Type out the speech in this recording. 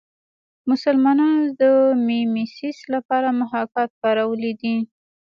مسلمانانو د میمیسیس لپاره محاکات کارولی دی